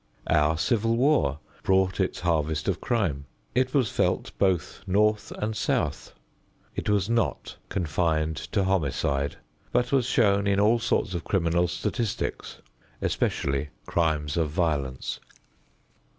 Our Civil War brought its harvest of crime. It was felt both North and South. It was not confined to homicide but was shown in all sorts of criminal statistics, especially crimes of violence.